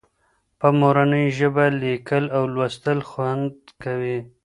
په مورنۍ ژبه لیکل او لوستل خوند کوي.